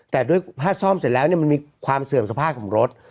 แต่ด้วยถ้าซ่อมเสร็จแล้วมันมีความเสื่อมสภาพของรถ